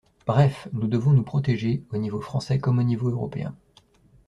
Bref, nous devons nous protéger, au niveau français comme au niveau européen.